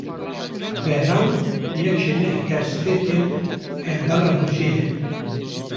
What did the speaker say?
Behram, yek ji neh gerstêrkên Pergala Rojê ye